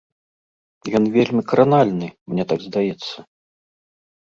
Ён вельмі кранальны, мне так здаецца.